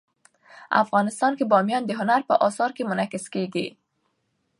افغانستان کې بامیان د هنر په اثار کې منعکس کېږي.